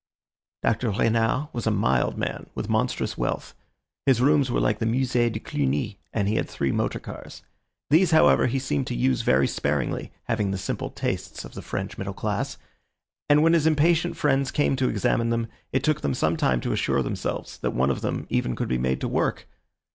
Dr. Renard was a mild man with monstrous wealth; his rooms were like the Musée de Cluny, and he had three motor cars. These, however, he seemed to use very sparingly, having the simple tastes of the French middle class, and when his impatient friends came to examine them, it took them some time to assure themselves that one of them even could be made to work.